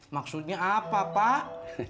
maksudnya apa pak